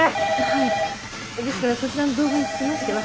はいですからそちらの動画につきましては現在確認中でして。